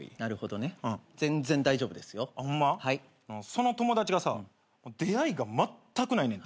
その友達がさ出会いがまったくないねん。